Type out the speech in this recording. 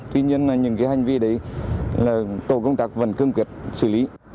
tuy nhiên những hành vi đấy là tổ công tác vẫn cương quyết xử lý